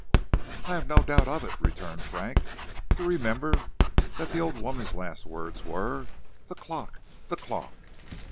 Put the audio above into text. "I have no doubt of it," returned Frank. "Do you remember that the old woman's last words were, 'The clock! the clock!'